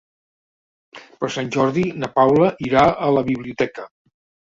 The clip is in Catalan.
Per Sant Jordi na Paula irà a la biblioteca.